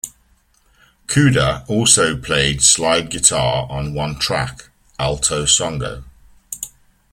Cooder also played slide guitar on one track, "Alto Songo".